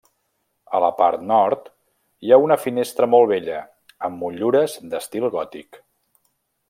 A la part nord hi ha una finestra molt vella, amb motllures d'estil gòtic.